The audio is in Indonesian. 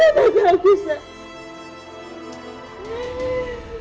kalau kamu ganggu gara gara aku adalah karima